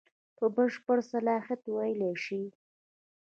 په بشپړ صلاحیت ویلای شم.